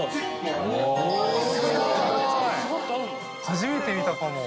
初めて見たかも。